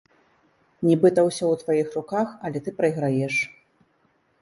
Нібыта ўсё ў тваіх руках, але ты прайграеш.